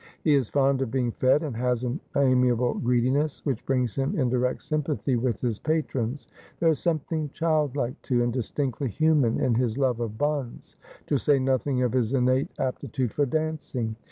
He is fond of being fed, and has an amiable greediness, which brings him in direct sympathy with his patrons. There is something childlike, too, and distinctly human in his love of buns, to say nothing of his innate aptitude for dancing.